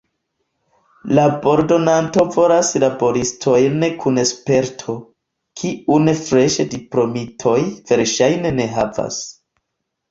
Labordonanto volas laboristojn kun sperto, kiun freŝe diplomitoj verŝajne ne havas.